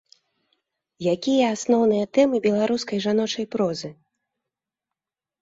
Якія асноўныя тэмы беларускай жаночай прозы?